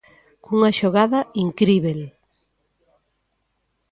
Cunha xogada incríbel.